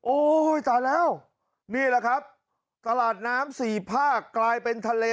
โอ้ยตายแล้วนี่แหละครับตลาดน้ำสี่ภาคกลายเป็นทะเล